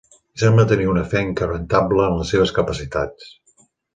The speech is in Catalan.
Sembla tenir una fe inquebrantable en les seves capacitats.